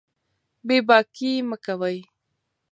بې باکي مه کوئ.